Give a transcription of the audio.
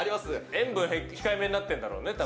塩分控えめになっているんだろうね。